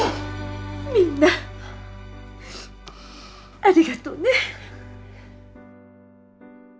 みんなありがとうね。